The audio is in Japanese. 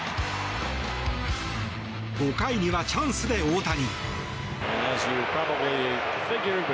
５回にはチャンスで大谷。